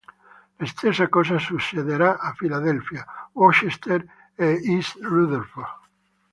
La stessa cosa succederà a Philadelphia, Worcester e East Rutherford.